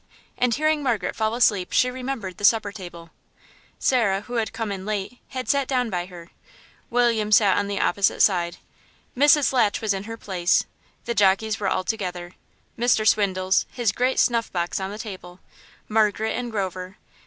and hearing Margaret fall asleep she remembered the supper table. Sarah, who had come in late, had sat down by her; William sat on the opposite side; Mrs. Latch was in her place, the jockeys were all together; Mr. Swindles, his snuff box on the table; Margaret and Grover.